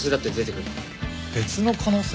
別の可能性？